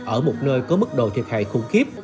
ở một nơi có mức độ thiệt hại khủng khiếp